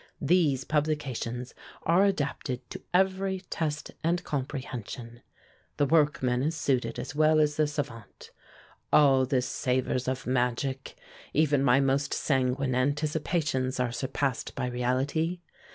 These publications are adapted to every taste and comprehension. The workman is suited as well as the savant. All this savors of magic. Even my most sanguine anticipations are surpassed by reality.